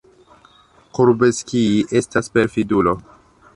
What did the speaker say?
Kurbskij estas perfidulo.